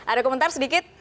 ada komentar sedikit